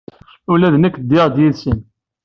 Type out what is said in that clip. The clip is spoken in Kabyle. Ula d nekk ddiɣ-d yid-nsen.